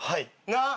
なっ？